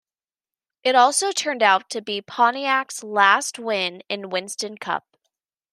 It also turned out to be Pontiac's last win in Winston Cup.